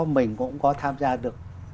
mình cũng có tham gia được